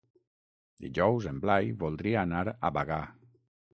Dijous en Blai voldria anar a Bagà.